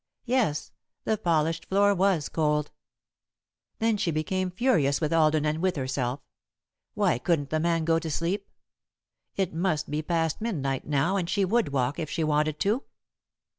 Yes, the polished floor was cold. Then she became furious with Alden and with herself. Why couldn't the man go to sleep? It must be past midnight, now, and she would walk, if she wanted to.